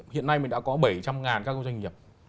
hiện nay mình đã có bảy trăm linh các doanh nghiệp